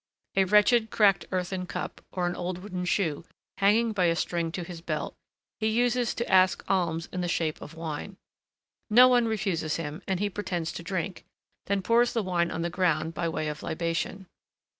A wretched, cracked earthen cup, or an old wooden shoe, hanging by a string to his belt, he uses to ask alms in the shape of wine. No one refuses him, and he pretends to drink, then pours the wine on the ground by way of libation.